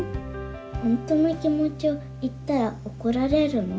本当の気もちをいったらおこられるの？」。